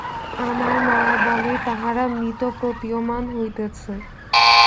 আমার মায়াবলেই তাহারা মৃত প্রতীয়মান হইতেছে।